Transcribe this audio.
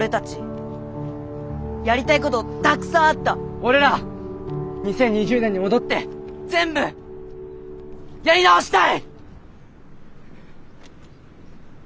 俺ら２０２０年に戻って全部やり直したい！